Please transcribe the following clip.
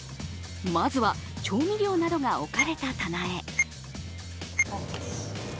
まずは調味料などが置かれた棚へ。